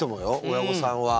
親御さんは。